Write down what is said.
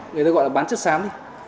người ta gọi là bán chất sám